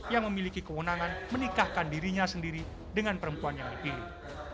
yang memiliki kewenangan menikahkan dirinya sendiri dengan perempuan yang dipilih